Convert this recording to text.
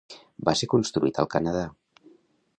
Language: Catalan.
Va ser construït al Canadà.